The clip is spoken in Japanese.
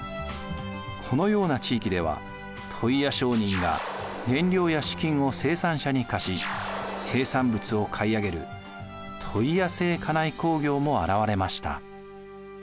このような地域では問屋商人が原料や資金を生産者に貸し生産物を買い上げる問屋制家内工業も現れました。